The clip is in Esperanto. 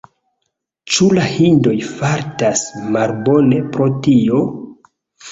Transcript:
Ĉu la hindoj fartas malbone pro tio?